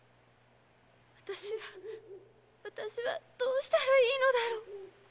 私は私はどうしたらいいのだろう？